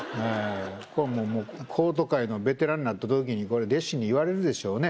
これももうコート界のベテランになった時にこれ弟子に言われるでしょうね